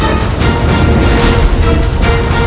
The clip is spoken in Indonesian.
aku yang kutunggu